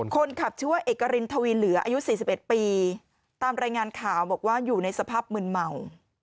คนขับชื่อว่าเอกรินทวีเหลืออายุ๔๑ปีตามรายงานข่าวบอกว่าอยู่ในสภาพมืนเมา